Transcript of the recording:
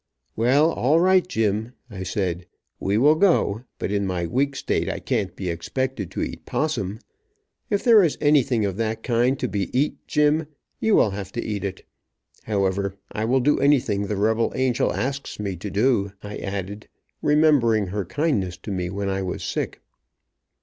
"Well, all right Jim," I said. "We will go, but in my weak state I can't be expected to eat possum. If there is anything of that kind to be eat, Jim, you will have to eat it. However, I will do anything the rebel angel asks me to do," I added, remembering her kindness to me when I was sick.